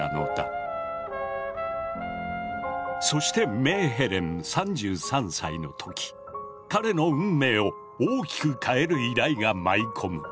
そしてメーヘレン３３歳の時彼の運命を大きく変える依頼が舞い込む。